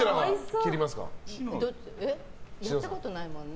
切ったことないもんね。